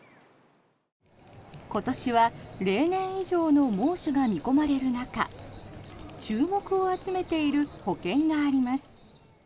今年は例年以上の猛暑が見込まれる中注目を集めている保険があります。